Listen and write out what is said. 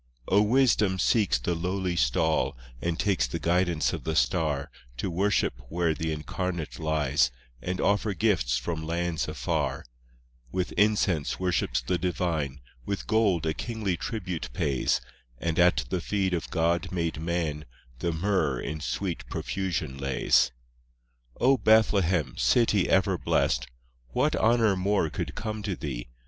III O wisdom seeks the lowly stall, And takes the guidance of the star, To worship where the Incarnate lies, And offer gifts from lands afar: IV With incense, worships the Divine, With gold, a kingly tribute pays, And at the feet of God made Man, The myrrh in sweet profusion lays. V O Bethlehem, city ever blest! What honour more could come to thee?